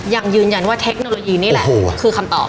ยังยืนยันว่าเทคโนโลยีนี่แหละคือคำตอบ